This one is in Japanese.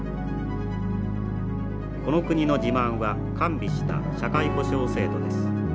この国の自慢は完備した社会保障制度です。